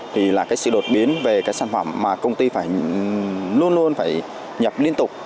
thì là cái sự đột biến về cái sản phẩm mà công ty phải luôn luôn phải nhập liên tục